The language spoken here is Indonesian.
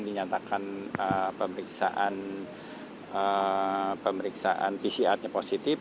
dinyatakan pemeriksaan pcr positif